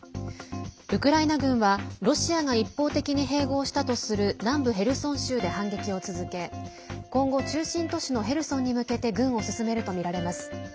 ウクライナ軍はロシアが一方的に併合したとする南部ヘルソン州で反撃を続け今後、中心都市のヘルソンに向けて軍を進めるとみられます。